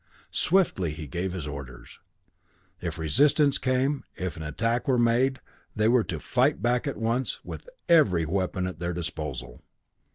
Swiftly he gave his orders. If resistance came, if an attack were made, they were to fight back at once, with every weapon at their disposal.